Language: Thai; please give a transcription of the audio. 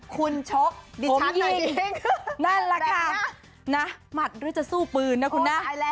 คุณชกดิฉันยิงนั่นแหละค่ะนะหมัดหรือจะสู้ปืนนะคุณนะ